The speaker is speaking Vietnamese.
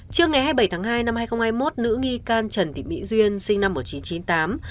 trưa ngày hai mươi bảy tháng hai năm hai nghìn hai mươi một nữ nghi can trần thị mỹ duyên sinh năm một nghìn chín trăm chín mươi tám